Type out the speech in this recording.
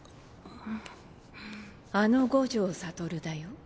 あの五条悟だよ。